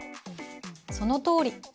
そのとおり。